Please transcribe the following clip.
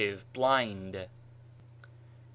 blind. Y.